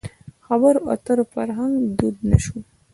خبرو اترو فرهنګ دود نه شوی.